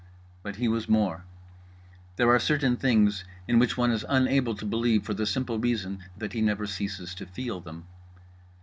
But he was more. There are certain things in which one is unable to believe for the simple reason that he never ceases to feel them.